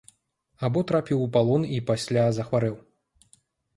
Або трапіў у палон і пасля захварэў.